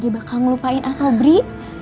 dede bakal ngelupain asobri